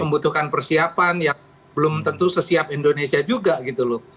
membutuhkan persiapan yang belum tentu sesiap indonesia juga gitu loh